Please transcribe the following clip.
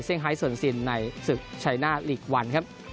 เซ่งไฮส่วนสินในศึกชัยหน้าลีกวัน